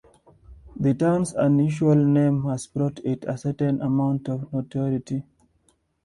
The town's unusual name has brought it a certain amount of notoriety.